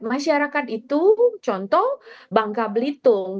masyarakat itu contoh bangka belitung